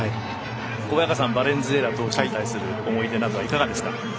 小早川さんバレンズエラ投手に対する思い入れなどはいかがですか？